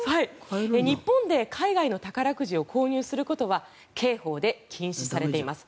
日本で海外の宝くじを購入することは刑法で禁止されています。